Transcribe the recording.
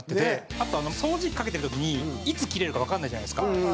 あと掃除機かけてる時にいつ切れるかわかんないじゃないですか。